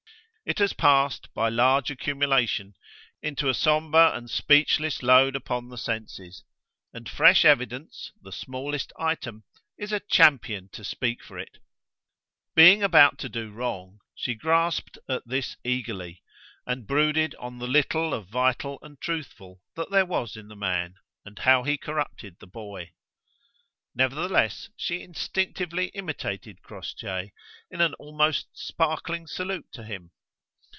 It has passed by large accumulation into a sombre and speechless load upon the senses, and fresh evidence, the smallest item, is a champion to speak for it. Being about to do wrong, she grasped at this eagerly, and brooded on the little of vital and truthful that there was in the man and how he corrupted the boy. Nevertheless, she instinctively imitated Crossjay in an almost sparkling salute to him.